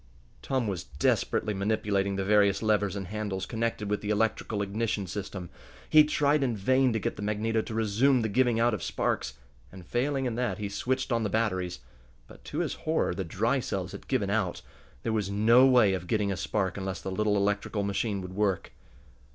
Tom was desperately manipulating the various levers and handles connected with the electrical ignition system. He tried in vain to get the magneto to resume the giving out of sparks, and, failing in that, he switched on the batteries. But, to his horror, the dry cells had given out. There was no way of getting a spark unless the little electrical machine would work.